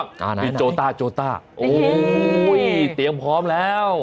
มีโจตาร์โจตาร์โอ้โห้ยเตี๊ยงพร้อมแล้ว